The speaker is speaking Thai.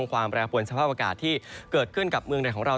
ความแปรปวนสภาพอากาศที่เกิดขึ้นกับเมืองใดของเรา